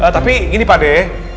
tapi gini pade